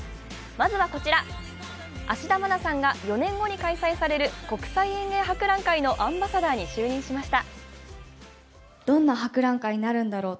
まずはこちら、芦田愛菜さんが４年後に開催される国際園芸博覧会のアンバサダーに就任しました。